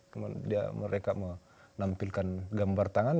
kemudian mereka menampilkan gambar tangan